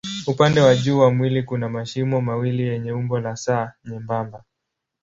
Upande wa juu wa mwili kuna mashimo mawili yenye umbo la S nyembamba.